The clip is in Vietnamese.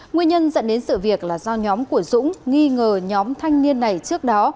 nguyên nhân dẫn đến sự việc là do nhóm của dũng nghi ngờ nhóm thanh niên này trước đó